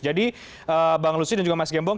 jadi bang lusius dan juga mas gembong